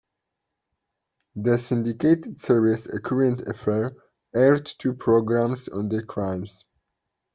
The syndicated series "A Current Affair" aired two programs on the crimes.